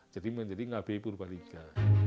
jadi menjadi ngabeyi purbalingga